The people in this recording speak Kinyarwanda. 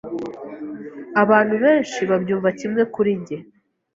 Abantu benshi babyumva kimwe kuri njye.